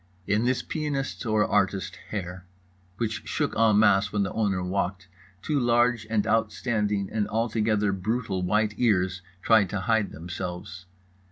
In this pianist's or artist's hair, which shook en masse when the owner walked, two large and outstanding and altogether brutal white ears tried to hide themselves.